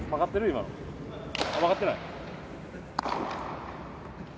今の曲がってない？